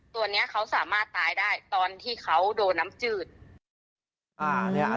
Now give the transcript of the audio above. ตัวนี้เขาสามารถตายได้ตอนที่เขาโดนน้ำจืด